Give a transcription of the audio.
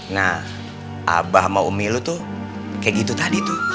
nah abah sama umi lo tuh kaya gitu tadi tuh